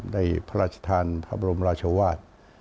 พระราชทานพระบรมราชวาส